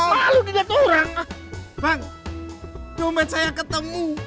malu ngeliat orang bang dompet saya ketemu